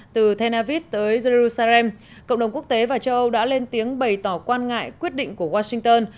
từ tel aviv tới jerusalem cộng đồng quốc tế và châu âu đã lên tiếng bày tỏ quan ngại quyết định của washington